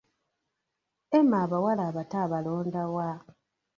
Emma abawala abato abalonda wa?